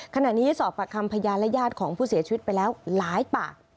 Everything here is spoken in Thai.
ขณะนี้สอบประคำพยานและญาติของผู้เสียชีวิตไปแล้วหลายปาก